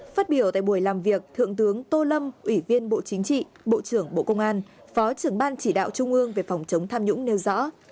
phát biểu tại buổi làm việc thượng tướng tô lâm ủy viên bộ chính trị bộ trưởng bộ công an phó trưởng ban chỉ đạo trung ương về phòng chống tham nhũng nêu rõ